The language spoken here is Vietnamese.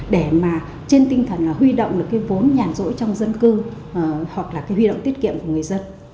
để trên tinh thần huy động vốn nhàn rỗi trong dân cư hoặc huy động tiết kiệm của người dân